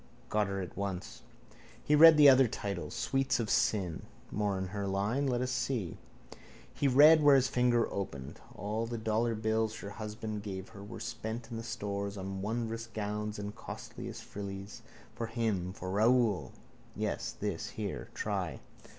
Got her it once. He read the other title: Sweets of Sin. More in her line. Let us see. He read where his finger opened. _—All the dollarbills her husband gave her were spent in the stores on wondrous gowns and costliest frillies. For him! For Raoul!_ Yes. This. Here. Try.